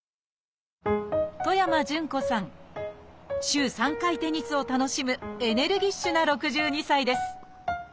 週３回テニスを楽しむエネルギッシュな６２歳です